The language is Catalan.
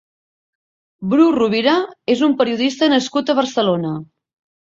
Bru Rovira és un periodista nascut a Barcelona.